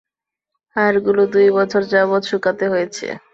হাড়গুলো দুই বছর যাবৎ শুকাতে হয়েছে।